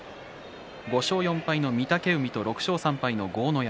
５勝４敗の御嶽海と６勝３敗の豪ノ山。